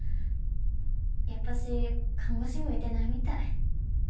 やっぱし看護師向いてないみたい。